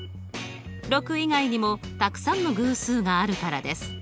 ６以外にもたくさんの偶数があるからです。